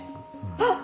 あっ！